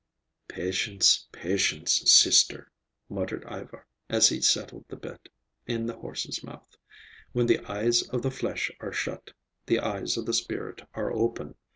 "Patience, patience, sister," muttered Ivar as he settled the bit in the horse's mouth. "When the eyes of the flesh are shut, the eyes of the spirit are open.